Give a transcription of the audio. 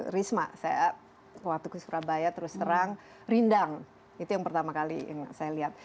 risma saya waktu ke surabaya terus terang rindang itu yang pertama kali yang saya lihat